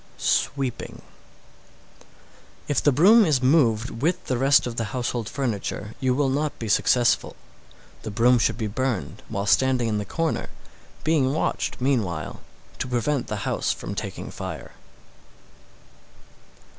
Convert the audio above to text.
_ SWEEPING. 650. If the broom is moved with the rest of the household furniture, you will not be successful. The broom should be burned while standing in the corner, being watched meanwhile, to prevent the house from taking fire.